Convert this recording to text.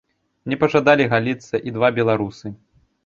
Не пажадалі галіцца і два беларусы.